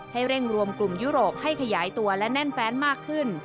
ให้เร่งรวมกลุ่มยุโรปให้ขยายตัวและแน่นแฟนมากขึ้น